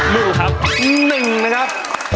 มือครับ๑นะครับ